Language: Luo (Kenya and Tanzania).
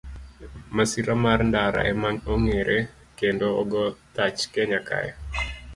Masira mar ndara ema ong'ere kendo ogo thach Kenya ka.